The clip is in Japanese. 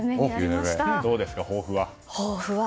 どうですか、抱負は。